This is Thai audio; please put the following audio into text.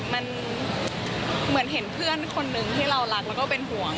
มันเหมือนเห็นเพื่อนคนนึงที่เรารักแล้วก็เป็นห่วง